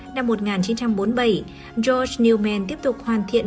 năm một nghìn chín trăm bốn mươi bảy george neumann tiếp tục hoàn thiện